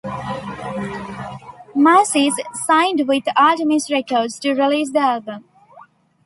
Mascis signed with Artemis Records to release the album.